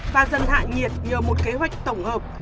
và dần hạ nhiệt nhờ một kế hoạch tổng hợp